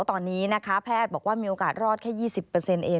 ตอนนี้นะคะแพทย์บอกว่ามีโอกาสรอดแค่๒๐เอง